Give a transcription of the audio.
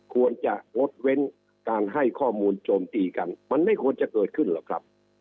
ควรจะงดเว้นการให้ข้อมูลโจมตีกันมันไม่ควรจะเกิดขึ้นหรอกครับ